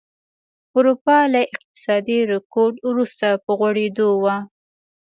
اروپا له اقتصادي رکود وروسته په غوړېدو وه.